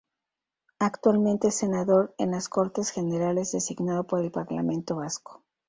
Actualmente es senador en las Cortes Generales designado por el Parlamento Vasco.